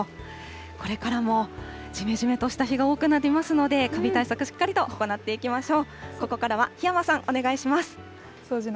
これからも、じめじめとした日が多くなりますので、カビ対策、しっかりと行っていきましょう。